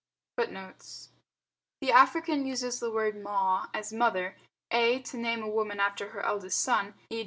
FOOTNOTES: [Footnote 57: The African uses the word "Ma" as mother, (a) to name a woman after her eldest son, _e.